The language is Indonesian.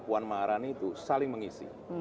mbak puan dan mbak arani itu saling mengisi